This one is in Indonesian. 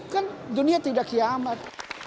kan dunia tidak kiamat